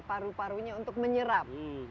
paru parunya untuk menyerap